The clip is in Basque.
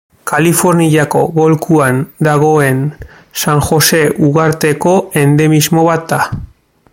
Kaliforniako golkoan dagoen San Jose uharteko endemismo bat da.